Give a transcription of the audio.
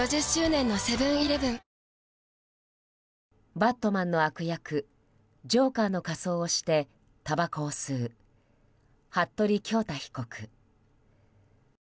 「バットマン」の悪役ジョーカーの仮装をしてたばこを吸う服部恭太被告。